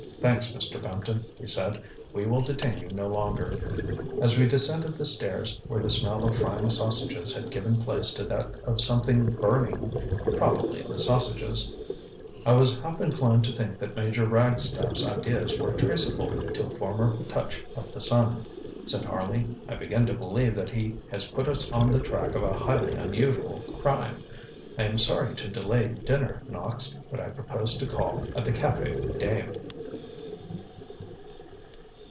ŌĆ£Thanks, Mr. Bampton, ŌĆØ he said; ŌĆ£we will detain you no longer! ŌĆØ As we descended the stairs, where the smell of frying sausages had given place to that of something burning probably the sausages: ŌĆ£I was half inclined to think that Major Ragstaff's ideas were traceable to a former touch of the sun, ŌĆØ said Harley. ŌĆ£I begin to believe that he has put us on the track of a highly unusual crime. I am sorry to delay dinner, Knox, but I propose to call at the Cafe Dame.